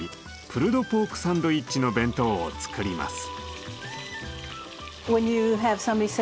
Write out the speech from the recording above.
プルドポークサンドイッチの弁当を作ります。